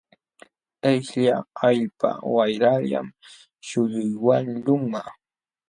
Śhllqa allpa wayrallam śhullwaqlunman.